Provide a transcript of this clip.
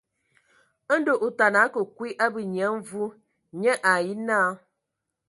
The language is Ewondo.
Ndɔ otana a ake kwi ábe Nyia Mvi nye ai nye náa.